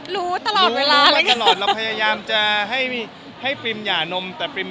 รู้ตลอดเวลาเลยพยายามจะให้มีให้ปริมหย่านมแต่ปริม